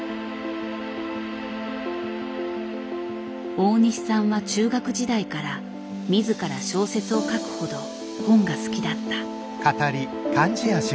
大西さんは中学時代から自ら小説を書くほど本が好きだった。